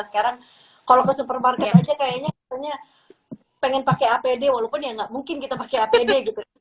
sekarang kalau ke supermarket aja kayaknya pengen pakai apd walaupun ya nggak mungkin kita pakai apd gitu